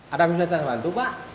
ada misalnya saya bantu pak